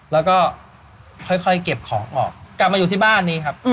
แล้วก็ค่อยเก็บของออกกลับมาอยู่ที่บ้านนี้ครับ